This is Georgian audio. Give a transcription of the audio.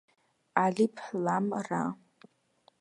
ალიფ ლამ რა.